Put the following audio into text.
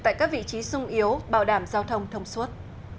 tại các vị trí sung yếu bảo đảm giao thông thông suốt